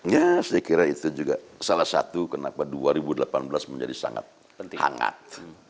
ya saya kira itu juga salah satu kenapa dua ribu delapan belas menjadi sangat hangat